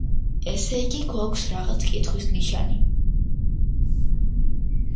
ესე იგი, გვაქვს რაღაც კითხვის ნიშანი.